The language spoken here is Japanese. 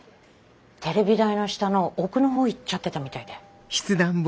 テレビ台の下の奥の方行っちゃってたみたいで。